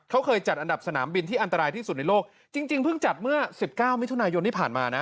เขาเคยจัดอันดับสนามบินที่อันตรายที่สุดในโลกจริงจริงเพิ่งจัดเมื่อสิบเก้ามิถุนายนที่ผ่านมานะ